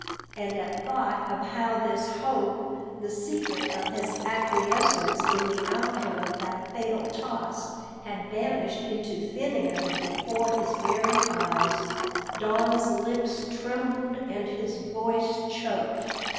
and at thought of how this hope the secret of his acquiescence in the outcome of that fatal toss had vanished into thin air before his very eyes, Don's lips trembled and his voice choked.